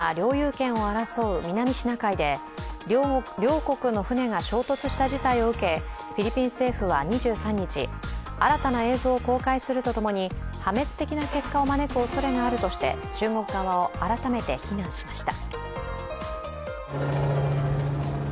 中国とフィリピンが領有権を争う南シナ海で両国の船が衝突した事態を受けフィリピン政府は２３日、新たな映像を公開するとともに、破滅的な結果を招くおそれがあるとして中国側を改めて非難しました。